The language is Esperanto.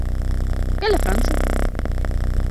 Kaj la franca?